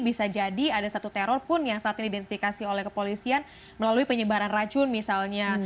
bisa jadi ada satu teror pun yang saat ini identifikasi oleh kepolisian melalui penyebaran racun misalnya